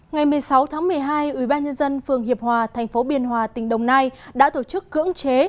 ngày một mươi sáu tháng một mươi hai ủy ban nhân dân phường hiệp hòa thành phố biên hòa tỉnh đồng nai đã tổ chức cưỡng chế